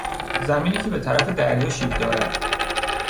زمینی که به طرف دریا شیب دارد